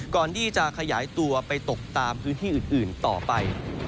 ก่อนที่จะขยายตัวไปตกตามพื้นที่อื่นต่อไป